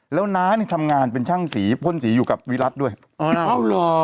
แล้วน้านี่ทำงานเป็นช่างสีพ่นสีอยู่กับวิรัติด้วยอ๋อเหรอ